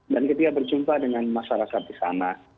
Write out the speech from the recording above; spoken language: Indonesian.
dan ketiga berjumpa dengan masyarakat di sana